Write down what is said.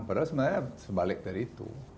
padahal sebenarnya sebalik dari itu